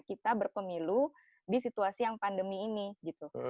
kita berpemilu di situasi yang pandemi ini gitu